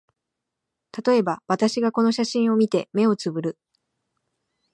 たとえば、私がこの写真を見て、眼をつぶる